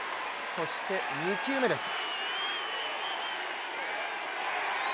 そして、２球目です。